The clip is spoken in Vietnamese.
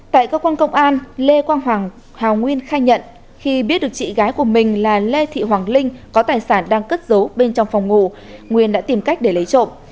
tại cơ quan công an lê quang hào nguyên khai nhận khi biết được chị gái của mình là lê thị hoàng linh có tài sản đang cất giấu bên trong phòng ngủ nguyên đã tìm cách để lấy trộm